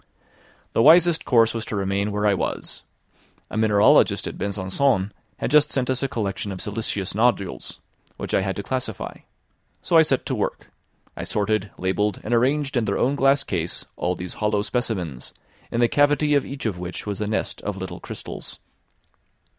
The wisest course was to remain where I was. A mineralogist at Besançon had just sent us a collection of siliceous nodules, which I had to classify: so I set to work; I sorted, labelled, and arranged in their own glass case all these hollow specimens, in the cavity of each of which was a nest of little crystals.